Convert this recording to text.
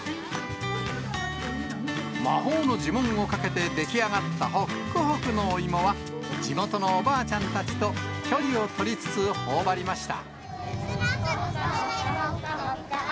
魔法の呪文をかけて出来上がったほっくほくのお芋は、地元のおばあちゃんたちと距離を取りつつほおばりました。